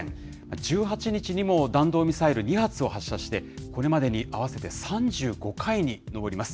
１８日にも、弾道ミサイル２発を発射して、これまでに合わせて３５回に上ります。